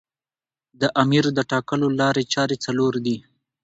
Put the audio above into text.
د امیر د ټاکلو لاري چاري څلور دي.